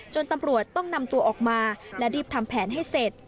ตำรวจต้องนำตัวออกมาและรีบทำแผนให้เสร็จ